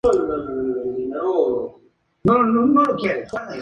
Históricamente ha tenido varios usos, siendo el penúltimo el de servir de sede episcopal.